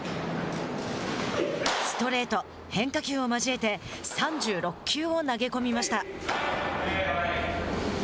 ストレート、変化球を交えて３６球を投げ込みました。